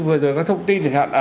vừa rồi có thông tin